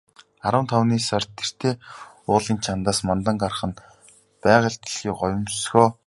Арван тавны сар тэртээ уулын чанадаас мандан гарах нь байгаль дэлхий гоёмсгоо гайхуулах мэт.